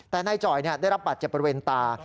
แต่นายจ่อยได้รับบาดเจ็บบริเวณตา